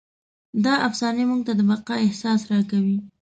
دا افسانې موږ ته د بقا احساس راکوي.